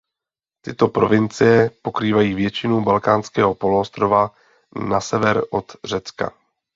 Tyto provincie pokrývají většinu balkánského poloostrova na sever od Řecka.